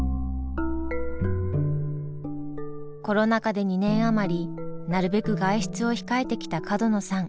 コロナ禍で２年余りなるべく外出を控えてきた角野さん。